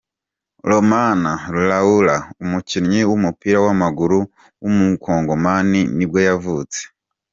Lomana LuaLua, umukinnyi w’umupira w’amaguru w’umukongomani nibwo yavutse.